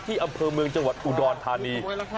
อำเภอเมืองจังหวัดอุดรธานี